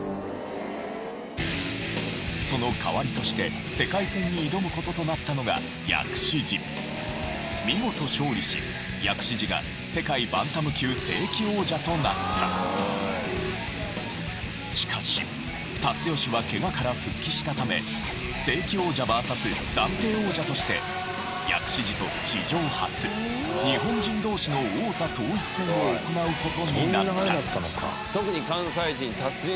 その代わりとして世界戦に挑む事となったのが見事勝利ししかし辰はケガから復帰したため正規王者ＶＳ暫定王者として薬師寺と史上初日本人同士の王座統一戦を行う事になった。